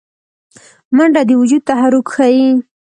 منډه د وجود تحرک ښيي